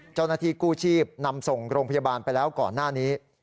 เจ้าหน้าที่กู้ชีพนำส่งโรงพยาบาลไปแล้วก่อนหน้านี้